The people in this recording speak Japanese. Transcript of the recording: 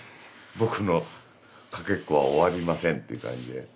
僕のかけっこは終わりませんっていう感じで。